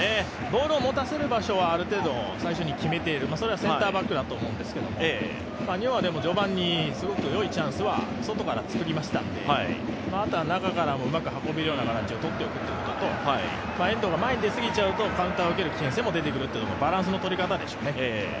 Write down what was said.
ボールを持たせる場所はある程度最初に決めてそれはセンターバックだと思うんですけども日本は序盤にすごいいいチャンスは、外から作りましたのであとは中からもうまく運べるような形を作っておくことと遠藤が前に出過ぎちゃうとカウンタ−を受ける可能性も出てきちゃうのでバランスのとり方でしょうね。